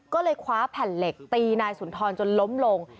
ก็เลยคว้าแผ่นเหล็กตีนายสุนทรจนล้มลง